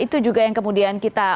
itu juga yang kemudian kita